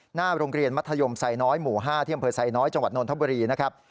หน้าโรงเรียนมัธยมไซน้อยหมู่๕ที่อำเภอไซน้อยจังหวัดนทบุรีนะครับ